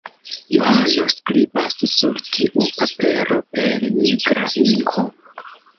Johano skribas sur tiu papero per nigra inko.